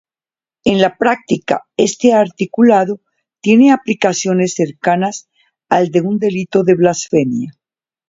En la práctica, este articulado tiene aplicaciones cercanas al de un delito de blasfemia.